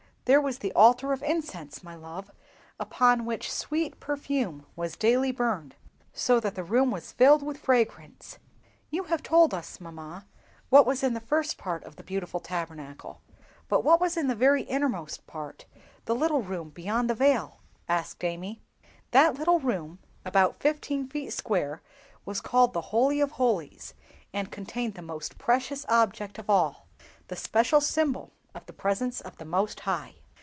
"There was the Altar of Incense, my love, upon which sweet perfume was daily burned, so that the room was filled with fragrance." "You have told us, mamma, what was in the first part of the beautiful Tabernacle; but what was in the very innermost part, the little room beyond the Veil?" asked Amy. "That little room, about fifteen feet square, was called the 'Holy of Holies,' and contained the most precious object of all—the special symbol of the presence of the Most High.